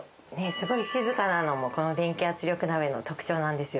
すごい静かなのもこの電気圧力鍋の特長なんですよ。